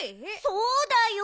そうだよ。